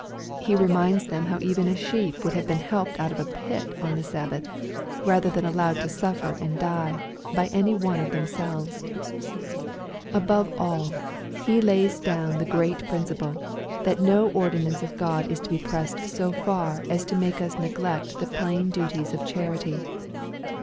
— He reminds them how even a sheep would be helped oiit of a pit on the Sabbath, rather than allowed to suffer and die, by any one of them selves. — Above all, He lays down the great principle, that no ordinance of God is to be pressed so &r as to make us neglect the plain duties of charity.